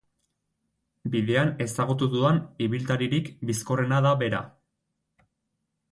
Bidean ezagutu dudan ibiltaririk bizkorrena da bera.